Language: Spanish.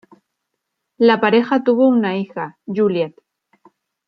La pareja tuvo una hija, Juliet.